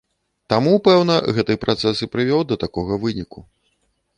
Таму, пэўна, гэты працэс і прывёў да такога выніку.